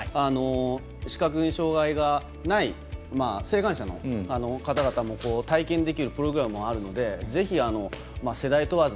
視覚に障がいがない晴眼者の方も体験できるプログラムもあるので世代問わず。